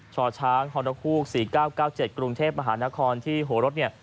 ช่อช้างฮค๔๙๙๗กรุงเทพฯมหานครที่โหรศเนี่ย